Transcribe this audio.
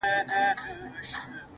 ځكه دنيا مي ته يې~